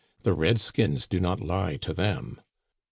The red skins do not lie to them."